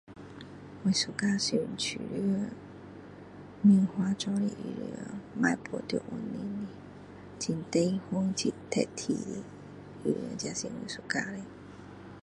我喜欢是舒服很大方棉花做的衣服不要绑在身上的很大方很得体的这是我喜欢的